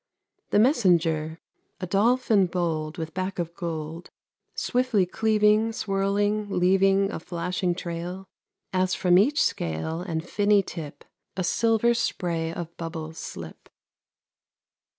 The messenger, A dolphin bold, With back of gold, Swiftly cleaving, swirling, leaving A flashing trail, As from each scale And finny tip A silver spray of bubbles slip.